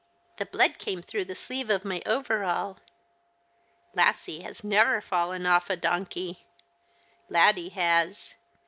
The blood came through the sleeve of my over all. Lassie has never fallen off a donkey. Laddie has.